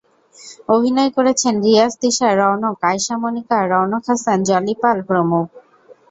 অভিনয় করেছেন রিয়াজ, তিশা, রওনক, আয়শা মনিকা, রওনক হাসান, জলি পাল প্রমুখ।